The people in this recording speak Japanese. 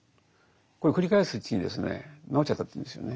これを繰り返すうちに治っちゃったというんですよね。